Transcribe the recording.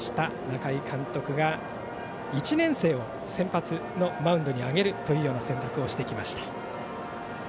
仲井監督が１年生を先発のマウンドに上げるという選択をしてきました。